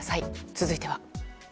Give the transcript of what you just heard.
続いては。